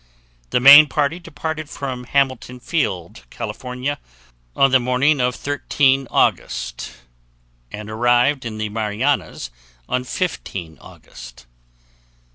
The main party departed from Hamilton Field, California on the morning of 13 August and arrived in the Marianas on 15 August.